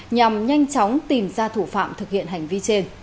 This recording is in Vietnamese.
nhằm nhanh chóng tìm ra thủ phạm thực hiện hành vi trên